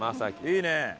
いいね。